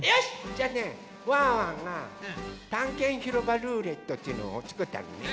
じゃあねワンワンがたんけんひろばルーレットっていうのをつくったのね。